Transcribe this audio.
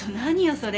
それ。